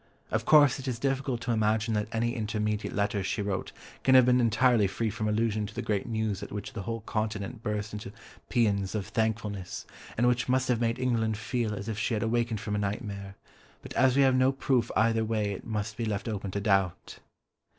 Of course it is difficult to imagine that any intermediate letters she wrote can have been entirely free from allusion to the great news at which the whole Continent burst into pæans of thankfulness, and which must have made England feel as if she had awakened from a nightmare, but as we have no proof either way it must be left open to doubt.